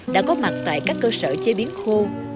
đã có mặt tại các cơ sở chế biến khô